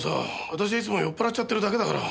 私はいつも酔っ払っちゃってるだけだから。